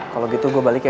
kalau gitu gue balik ya